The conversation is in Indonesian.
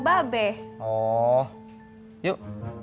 cuma baik lah cabut